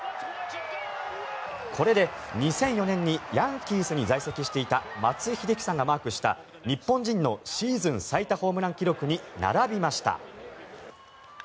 これで２００４年にヤンキースに在籍していた松井秀喜さんがマークした日本人のシーズン最多ホームラン記録に並びました。